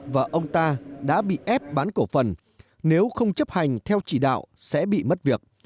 và ông ta đã bị ép bán cổ phần nếu không chấp hành theo chỉ đạo sẽ bị mất việc